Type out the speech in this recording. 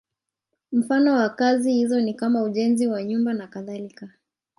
Mfano wa kazi hizo ni kama ujenzi wa nyumba nakadhalika.